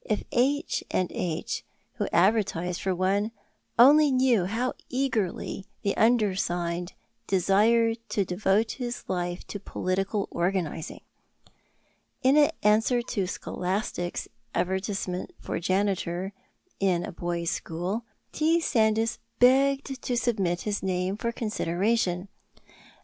If "H and H," who advertised for one, only knew how eagerly the undersigned desired to devote his life to political organizing! In answer to "Scholastic's" advertisement for janitor in a boys' school, T. Sandys begged to submit his name for consideration.